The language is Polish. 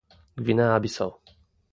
Gwinea Bissau